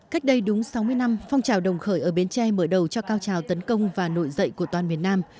cách đây đúng sáu mươi năm phong trào đồng khởi ở bến tre mở đầu cho cao trào tấn công và nổi dậy của toàn miền nam